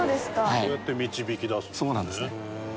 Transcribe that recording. そうやって導き出すんですね。